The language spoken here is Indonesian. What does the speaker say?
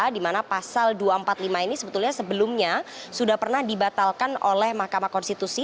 di mana pasal dua ratus empat puluh lima ini sebetulnya sebelumnya sudah pernah dibatalkan oleh mahkamah konstitusi